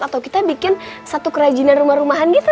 atau kita bikin satu kerajinan rumah rumahan kita